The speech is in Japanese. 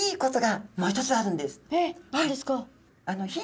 何ですか？